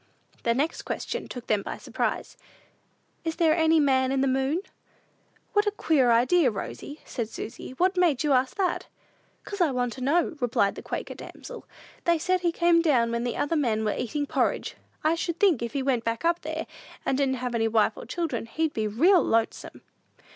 The next question took them by surprise: "Is there any man in the moon?" "What a queer idea, Rosy," said Susy; "what made you ask that?" "'Cause I wanted to know," replied the Quaker damsel. "They said he came down when the other man was eatin' porridge. I should think, if he went back up there, and didn't have any wife and children, he'd be real lonesome!"